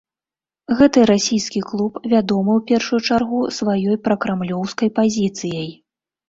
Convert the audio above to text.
Гэты расійскі клуб вядомы ў першую чаргу сваёй пракрамлёўскай пазіцыяй.